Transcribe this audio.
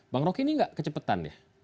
bang rok ini enggak kecepetan ya